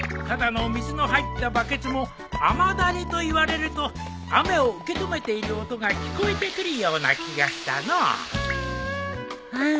ただの水の入ったバケツも『雨だれ』といわれると雨を受け止めている音が聞こえてくるような気がしたのお。